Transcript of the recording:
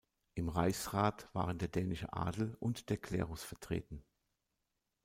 Im Reichsrat waren der dänische Adel und der Klerus vertreten.